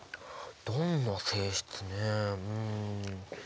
どんな性質ねうん。